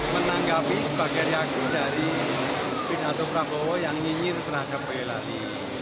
menanggapi sebagai reaksi dari pidato prabowo yang nyinyir terhadap boyolali